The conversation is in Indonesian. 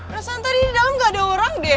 rasanya tadi di dalam gak ada orang deh